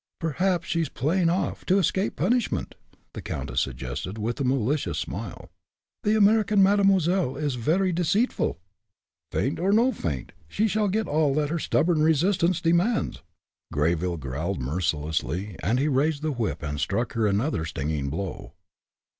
"Perhaps she is playing off, to escape punishment," the countess suggested, with a malicious smile. "The American mademoiselle is very deceitful!" "Faint or no faint, she shall get all that her stubborn resistance demands!" Greyville growled, mercilessly, and he raised the whip and struck her another stinging blow.